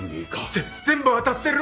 ぜ全部当たってる。